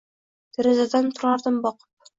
Derazadan turardim boqib.